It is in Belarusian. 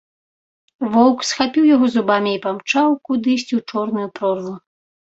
Воўк схапіў яго зубамі і памчаў кудысьці ў чорную прорву.